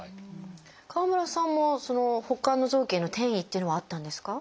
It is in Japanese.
川村さんもほかの臓器への転移っていうのはあったんですか？